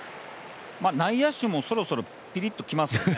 内野手もそろそろ、ぴりっときますよね。